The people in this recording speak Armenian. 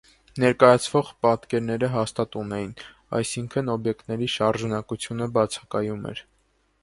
Ներկայացվող պատկերները հաստատուն էին, այսինքն օբյեկտների շարժունակությունը բացակայում էր։